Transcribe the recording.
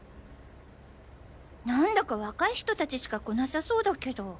何だか若い人達しか来なさそうだけど。